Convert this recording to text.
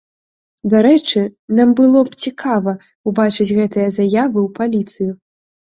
Дарэчы, нам было б цікава ўбачыць гэтыя заявы ў паліцыю.